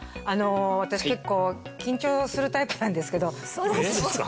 私結構緊張するタイプなんですけど嘘でしょ？